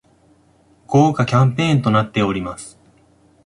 豪華キャンペーンとなっております